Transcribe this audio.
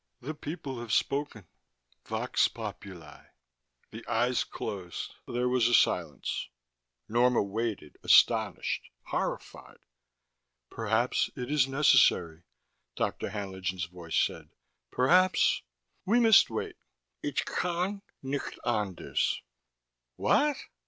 The people have spoken. Vox populi...." The eyes closed. There was a silence Norma waited, astonished, horrified. "Perhaps it is necessary," Dr. Haenlingen's voice said. "Perhaps ... we must wait. Ich kann nicht anders...." "What?"